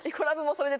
それで。